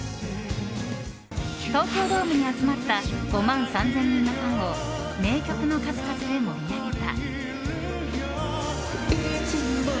東京ドームに集まった５万３０００人のファンを名曲の数々で盛り上げた。